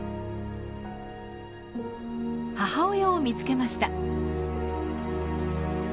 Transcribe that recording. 母親を見つけました。